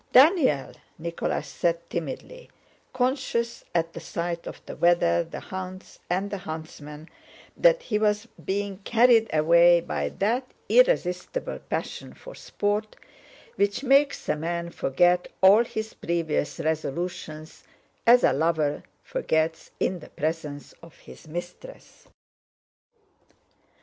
"Daniel!" Nicholas said timidly, conscious at the sight of the weather, the hounds, and the huntsman that he was being carried away by that irresistible passion for sport which makes a man forget all his previous resolutions, as a lover forgets in the presence of his mistress.